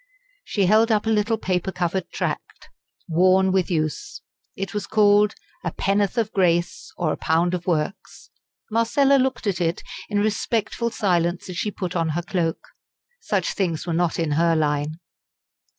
She held up a little paper covered tract worn with use. It was called "A Pennorth of Grace, or a Pound of Works?" Marcella looked at it in respectful silence as she put on her cloak. Such things were not in her line.